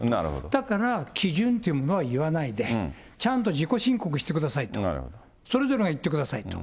だから基準ってものは言わないで、ちゃんと自己申告してくださいと、それぞれが言ってくださいと。